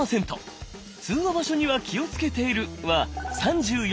「通話場所には気をつけている」は３４％。